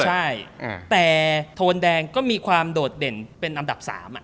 ใช่แต่โทนแดงก็มีความโดดเด่นเป็นอันดับ๓